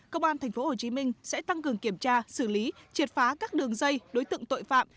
công an tp hcm sẽ tăng cường kiểm tra xử lý triệt phá các đường dây đối tượng tội phạm